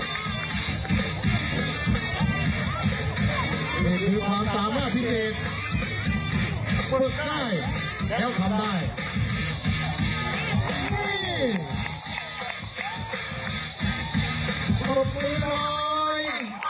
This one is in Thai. ตกมือร้อย